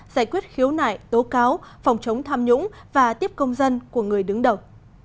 giải quyết khiếu nại tố cáo phòng chống tham nhũng và tiếp công dân của người đứng đầu